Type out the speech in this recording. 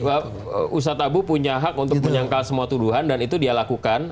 ustadz abu punya hak untuk menyangkal semua tuduhan dan itu dia lakukan